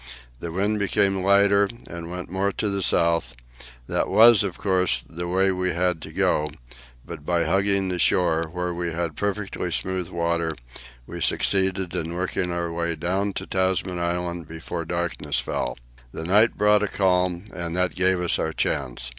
The wind became lighter and went more to the south; that was, of course, the way we had to go, but by hugging the shore, where we had perfectly smooth water, we succeeded in working our way down to Tasman Island before darkness fell. The night brought a calm, and that gave us our chance.